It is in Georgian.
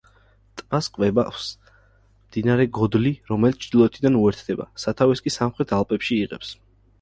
ტბას კვებავს მდინარე გოდლი, რომელიც ჩრდილოეთიდან უერთდება, სათავეს კი სამხრეთ ალპებში იღებს.